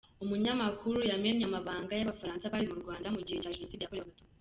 Umunyamakuru yamennye amabanga y’Abafaransa bari mu Rwanda mu gihe cya Jenoside yakorewe Abatutsi.